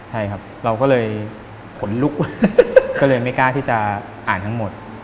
ใช่ครับเราก็เลยขนลุกก็เลยไม่กล้าที่จะอ่านทั้งหมด